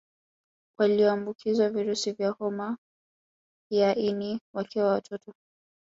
Waliombukizwa virusi vya homa ya ini wakiwa watoto